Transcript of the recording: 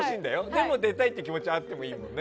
でも、出たいっていう気持ちはあってもいいもんね。